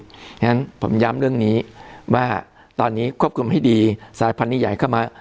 เพราะฉะนั้นผมย้ำเรื่องนี้ว่าตอนนี้ควบคุมให้ดีสายพันธุ์ใหญ่เข้ามา